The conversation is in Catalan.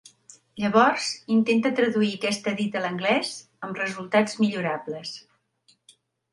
Llavors intenta traduir aquesta dita a l'anglès, amb resultats millorables.